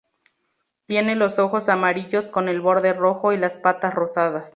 Tiene los ojos amarillos con el borde rojo y las patas rosadas.